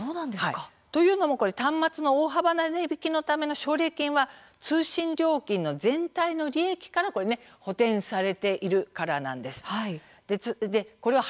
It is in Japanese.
というのも端末の大幅な値引きのための奨励金は通信料金の全体の利益から補填されているからなんです。